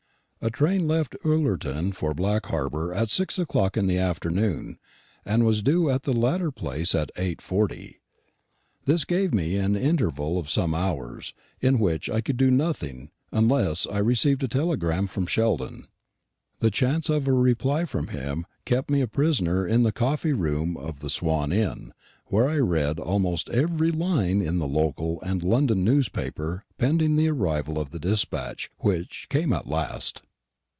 A train left Ullerton for Black Harbour at six o'clock in the afternoon, and was due at the latter place at 8.40. This gave me an interval of some hours, in which I could do nothing, unless I received a telegram from Sheldon. The chance of a reply from him kept me a prisoner in the coffee room of the Swan Inn, where I read almost every line in the local and London newspapers pending the arrival of the despatch, which came at last.